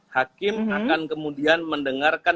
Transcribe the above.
hakim akan kemudian mendengarkan